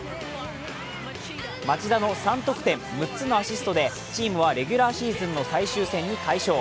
町田の３得点、６つのアシストでチームはレギュラーシーズンの最終戦に快勝。